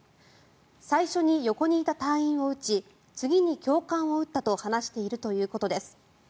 最初に横にいた隊員を撃ち次に教官を撃ったと話しているということです。